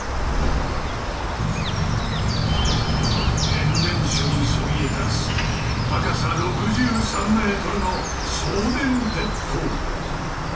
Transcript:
変電所にそびえ立つ高さ６３ｍの送電鉄塔。